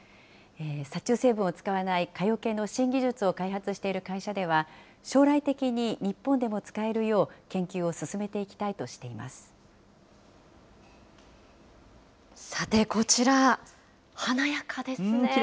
殺虫成分を使わない蚊よけの新技術を開発している会社では、将来的に日本でも使えるよう、研究をさて、こちら、華やかですね。